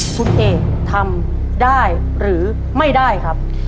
คุณเอกทำได้หรือไม่ได้ครับ